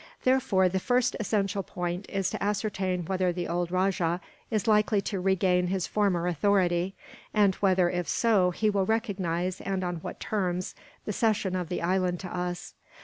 Therefore, the first essential point is to ascertain whether the old rajah is likely to regain his former authority; and whether, if so, he will recognize, and on what terms, the cession of the island to us."